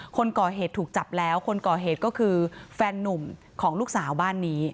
คนก่อเหตุถูกจับแล้วคนก่อเหตุก็คือแฟนนุ่มของลูกสาวบ้านนี้